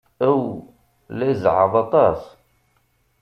Aw, la izeɛɛeḍ aṭas!